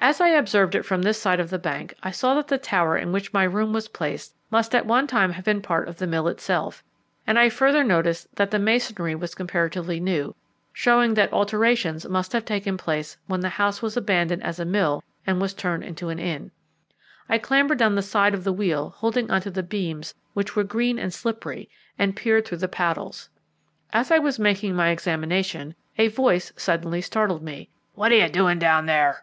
As I observed it from this side of the bank, I saw that the tower in which my room was placed must at one time have been part of the mill itself, and I further noticed that the masonry was comparatively new, showing that alterations must have taken place when the house was abandoned as a mill and was turned into an inn. I clambered down the side of the wheel, holding on to the beams, which were green and slippery, and peered through the paddles. As I was making my examination, a voice suddenly startled me. "What are you doing down there?"